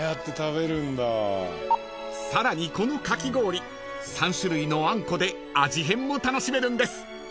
［さらにこのかき氷３種類のあんこで味変も楽しめるんです］